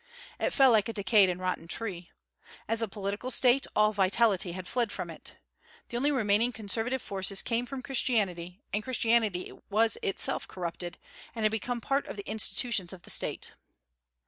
It fell like a decayed and rotten tree. As a political State all vitality had fled from it. The only remaining conservative forces came from Christianity; and Christianity was itself corrupted, and had become a part of the institutions of the State.